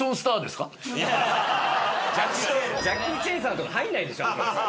ジャッキー・チェンさんとか入んないでしょ。